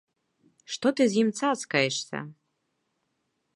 Што ты з ім цацкаешся?